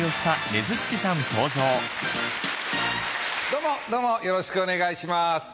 どうもどうもよろしくお願いします。